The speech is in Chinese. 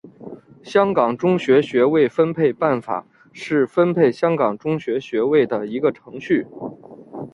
香港中学学位分配办法是分配香港中学学位的一个程序。